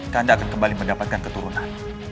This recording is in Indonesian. anda akan kembali mendapatkan keturunan